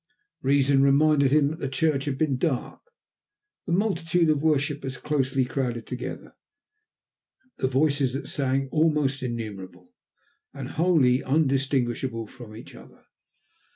Reason reminded him that the church had been dark, the multitude of worshippers closely crowded together, the voices that sang almost innumerable and wholly undistinguishable from each other.